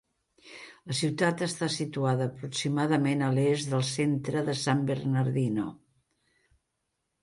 La ciutat està situada aproximadament a l'est del centre de San Bernardino.